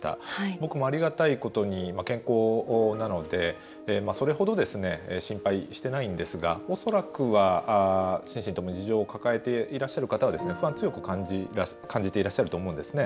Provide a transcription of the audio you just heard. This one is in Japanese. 僕もありがたいことに健康なのでそれほど心配していないんですが恐らくは心身ともに事情を抱えている方は不安、強く感じてらっしゃると思うんですね。